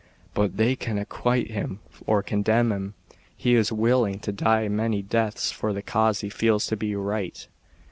But they can acquit him or condemn him, he is will ing to die many deaths for the cause he feels to be right.